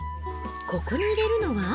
ここに入れるのは。